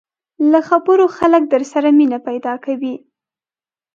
له خبرو خلک در سره مینه پیدا کوي